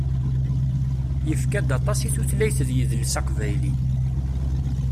Yefka-d aṭas i tutlayt d yidles aqbayli.